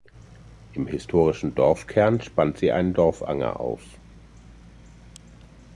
Im historischen Dorfkern spannt sie einen Dorfanger auf.